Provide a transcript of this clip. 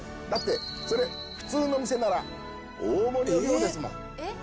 「だってそれ普通のお店なら大盛りの量ですもん」。